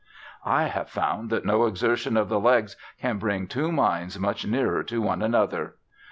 "I have found that no exertion of the legs can bring two minds much nearer to one another!"